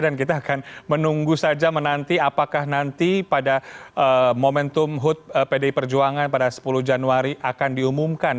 dan kita akan menunggu saja menanti apakah nanti pada momentum hut pdi perjuangan pada sepuluh januari akan diumumkan